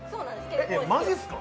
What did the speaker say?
マジっすか？